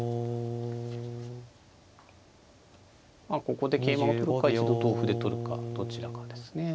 ここで桂馬を取るか一度同歩で取るかどちらかですね。